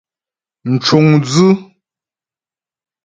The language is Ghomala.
Mcuŋdzʉ́.